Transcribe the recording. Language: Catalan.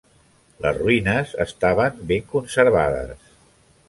Les ruïnes estaven ben conservades.